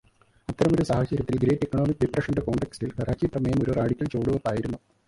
അത്തരമൊരു സാഹചര്യത്തില്, great economic ഡിപ്രഷന്റെ കോണ്ടക്സ്റ്റീല്, കറാച്ചി പ്രമേയം ഒരു റാഡിക്കല് ചുവടുവെയ്പ്പായിരുന്നു.